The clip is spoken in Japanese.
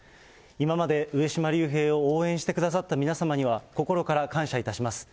今まで上島竜兵を応援してくださった皆様には心から感謝いたします。